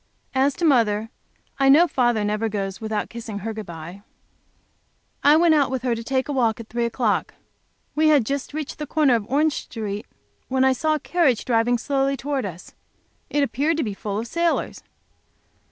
As to mother, I know father never goes out without kissing her good by. I went out with her to take a walk at three o'clock. We had just reached the corner of Orange Street, when I saw a carriage driving slowly towards us; it appeared to be full of sailors.